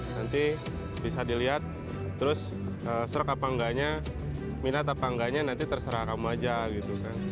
nanti bisa dilihat terus seruk apa enggaknya minat apa enggaknya nanti terserah kamu aja gitu kan